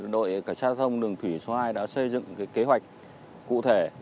đội cảnh sát giao thông đường thủy số hai đã xây dựng kế hoạch cụ thể